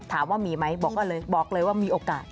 ถามว่ามีไหมบอกว่าเลยบอกเลยว่ามีโอกาส